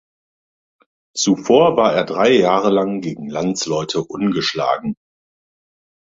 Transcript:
Zuvor war er drei Jahre lang gegen Landsleute ungeschlagen.